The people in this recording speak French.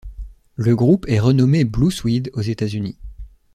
Le groupe est renommé Blue Swede aux États-Unis.